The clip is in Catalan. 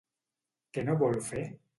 Què no vol fer?